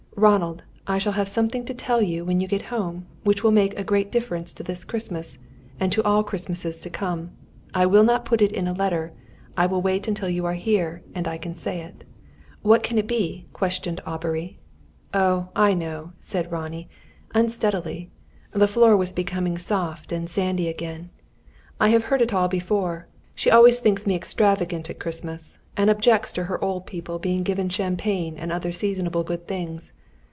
"'Ronald, I shall have something to tell you when you get home, which will make a great difference to this Christmas, and to all Christmas times to come. I will not put it into a letter. I will wait until you are here, and I can say it.'" "What can it be?" questioned Aubrey. "Oh, I know," said Ronnie, unsteadily the floor was becoming soft and sandy again. "I have heard it all before. She always thinks me extravagant at Christmas, and objects to her old people being given champagne and other seasonable good things.